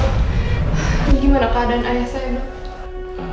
gimana keadaan ayah ayah sayang